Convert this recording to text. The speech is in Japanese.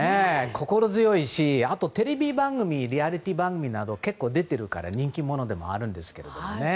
心強いし、テレビ番組やリアリティー番組など結構出てるから人気者でもあるんですけどね。